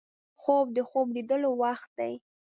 خوب د خوب لیدلو وخت دی